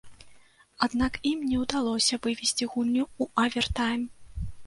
Аднак ім не ўдалося вывесці гульню ў авертайм.